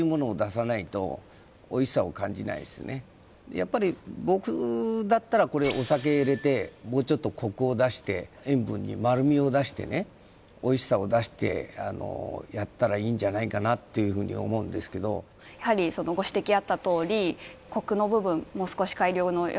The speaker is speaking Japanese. やっぱり僕だったらこれお酒入れてもうちょっとコクを出して塩分に丸みを出してねおいしさを出してやったらいいんじゃないかなっていうふうに思うんですけどやはりのかなと感じています